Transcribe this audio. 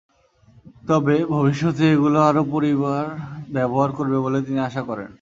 তবে ভবিষ্যতে এগুলো আরও পরিবার ব্যবহার করবে বলে তিনি আশা করেন।